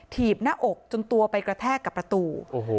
ถีบหน้าอกจนตัวไปกระแทกกับประตู